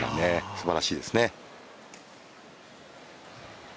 すばらしいですね。